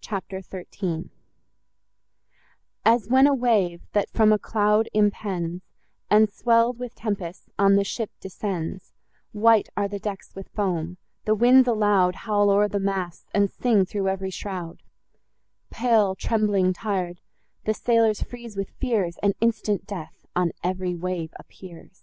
CHAPTER XIII As when a wave, that from a cloud impends, And, swell'd with tempests, on the ship descends, White are the decks with foam; the winds aloud, Howl o'er the masts, and sing through ev'ry shroud: Pale, trembling, tir'd, the sailors freeze with fears, And instant death on ev'ry wave appears.